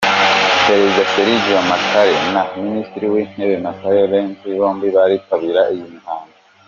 Perezida Sergio Mattarella na minisitiri w'intebe Matteo Renzi bombi baritabira iyi mihango.